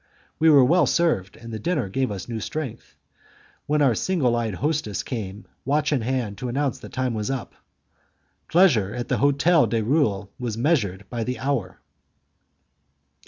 We were well served, and the dinner had given us new strength, when our single eyed hostess came, watch in hand, to announce that time was up. Pleasure at the "Hotel du Roule" was measured by the hour.